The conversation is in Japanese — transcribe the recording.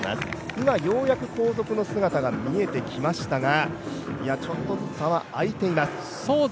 今、ようやく後続の姿が見えてきましたが、ちょっと差は開いています。